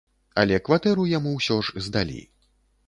Але кватэру яму ўсё ж здалі.